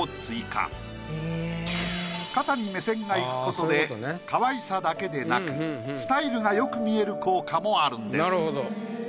肩に目線がいくことでかわいさだけでなくスタイルがよく見える効果もあるんです。